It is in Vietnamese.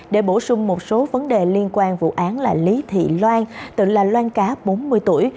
để bổ sung một số vấn đề liên quan vụ án là lý thị loan từng là loan cá bốn mươi tuổi